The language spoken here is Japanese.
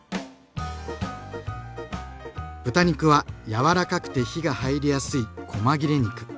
豚肉はやわらかくて火が入りやすいこま切れ肉。